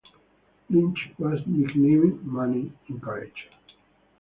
Lynch was nicknamed "Money" in college.